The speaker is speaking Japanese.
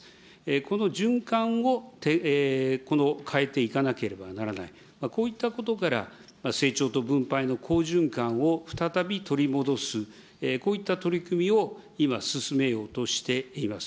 この循環を、この変えていかなければならない、こういったことから、成長と分配の好循環を再び取り戻す、こういった取り組みを今、進めようとしています。